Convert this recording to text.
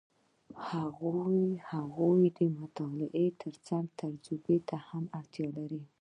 هغوی د مطالعې ترڅنګ تجربې ته هم اړتیا لري.